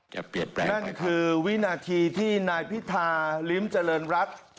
เปลี่ยนแปลงนั่นคือวินาทีที่นายพิธาลิ้มเจริญรัฐ